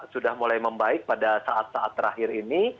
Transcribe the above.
sudah mulai membaik pada saat saat terakhir ini